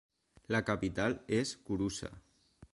La capital és Kouroussa.